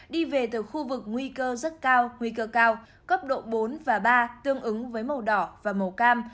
đi về từ khu vực nguy cơ rất cao nguy cơ cao cấp độ bốn và ba tương ứng với màu đỏ và màu cam